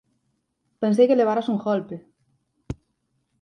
Pensei que levaras un golpe.